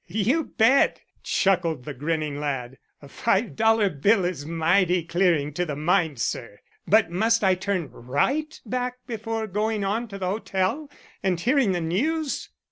"You bet," chuckled the grinning lad. "A five dollar bill is mighty clearing to the mind, sir. But must I turn right back before going on to the hotel and hearing the news?"